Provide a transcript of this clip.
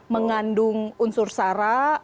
mengandung unsur syarat